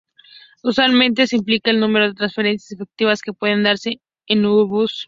Usualmente se aplica al número de transferencias efectivas, que pueden darse en un bus.